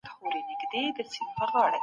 دوې درې ورځې مخکې مې کتاب